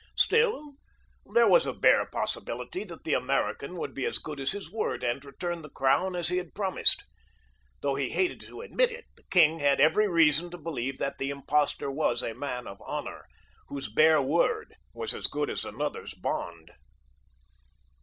Still, there was a bare possibility that the American would be as good as his word, and return the crown as he had promised. Though he hated to admit it, the king had every reason to believe that the impostor was a man of honor, whose bare word was as good as another's bond.